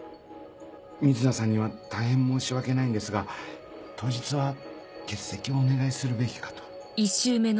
瑞奈さんには大変申し訳ないんですが当日は欠席をお願いするべきかと。